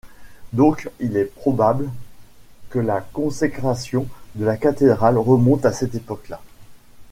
Donc, il est probable que la consécration de la cathédrale remonte à cette époque-là.